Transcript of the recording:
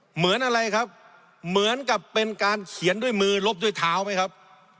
เหมือนอะไรครับเหมือนกับเป็นการเขียนด้วยมือลบด้วยเท้าไหมครับ